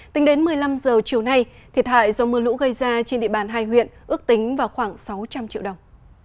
tính đến một mươi năm h chiều nay thiệt hại do mưa lũ gây ra trên địa bàn hai huyện ước tính vào khoảng sáu trăm linh triệu đồng